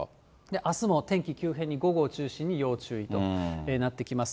あすも天気急変に午後を中心に要注意となってきます。